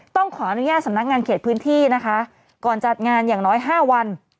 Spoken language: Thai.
ต้องขออนุญาตสำนักงานเขตพื้นที่นะคะก่อนจัดงานอย่างน้อย๕วัน